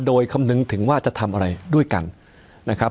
โดยคำนึงถึงว่าจะทำอะไรด้วยกันนะครับ